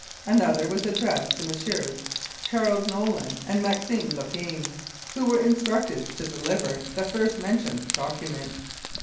Another was addressed to Messrs. Charles .Volin and Maxime Lupine, who were instructed to deliver the first mentioned document.